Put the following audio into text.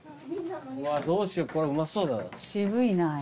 うわどうしようこれうまそうだな。